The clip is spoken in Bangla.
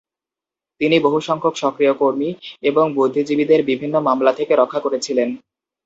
তিনি বহু সংখ্যক সক্রিয় কর্মী এবং বুদ্ধিজীবীদের বিভিন্ন মামলা থেকে রক্ষা করেছিলেন।